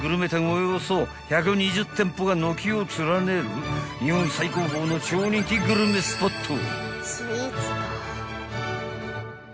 およそ１２０店舗が軒を連ねる日本最高峰の超人気グルメスポット］